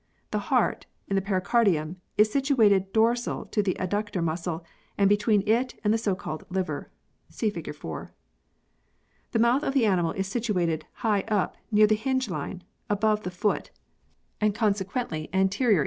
The heart, in the pericardium, is situated dorsal to the adductor muscle and between it and the so called liver (see fig. 4). The mouth of the animal is situated high up near the hinge line, above the foot and consequently anterior 32 PEARLS [CH.